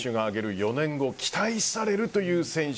４年後、期待されるという選手